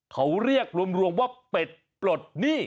เขาเรียกรวมว่าเป็ดปลดหนี้